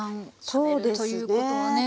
そうですね。